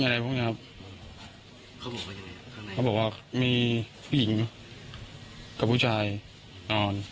ยาพวกยาเมาอะไรนั่นอ่ะ